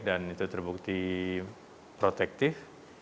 dan itu terbukti protektif